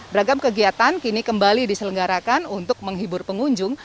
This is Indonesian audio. beragam kegiatan kini kembali diselenggarakan untuk menghibur pengunjung